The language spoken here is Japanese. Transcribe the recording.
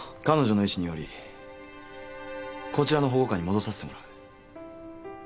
彼女の意思によりこちらの保護下に戻させてもらう。